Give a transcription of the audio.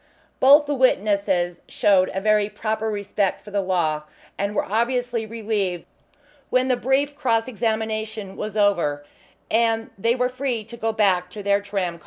Both the witnesses showed a very proper respect for the law, and were obviously relieved when the brief cross examination was over and they were free to go back to their tram car.